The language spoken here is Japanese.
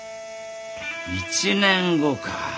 １年後か。